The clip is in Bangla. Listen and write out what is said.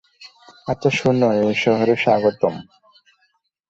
আচ্ছা শোনো, এই শহরে স্বাগতম!